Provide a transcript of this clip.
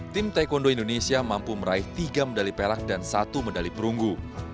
tim taekwondo indonesia mampu meraih tiga medali perak dan satu medali perunggu